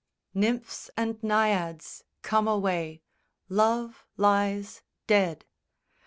SONG I _Nymphs and naiads, come away, Love lies dead!